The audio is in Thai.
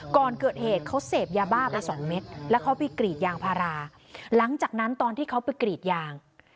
ก่อนเกิดเหตุเขาเสพยาบ้าไปสองเม็ดแล้วเขาไปกรีดยางพาราหลังจากนั้นตอนที่เขาไปกรีดยาง